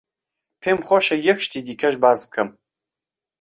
پێم خۆشە یەک شتی دیکەش باس بکەم.